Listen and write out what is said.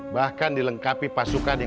bahkan dilengkapi pasukan